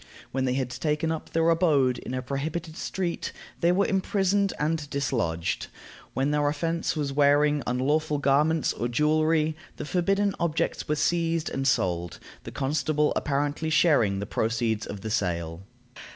When they had taken up their abode in a prohibited street, they were imprisoned and dislodged; when their offense was wearing unlawful garments or jewelry, the forbidden objects were seized and sold, the constable apparently sharing the proceeds of the sale.